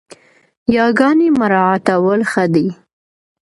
ياګاني مراعتول ښه دي